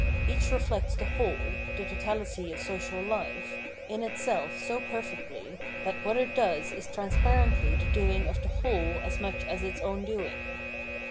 Each reflects the wdiole (the totality of social life) in itself so perfectly that what it does is transparently the doing of the whole as much as its own doing.